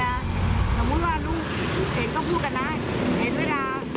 แล้วก็พอเวลาสมมุติว่าเมียสมมุติว่าลูกเห็นก็พูดกันนะเห็นเวลา